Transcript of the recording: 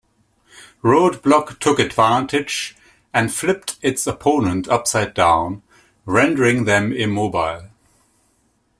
Roadblock took advantage and flipped its opponent upside-down, rendering them immobile.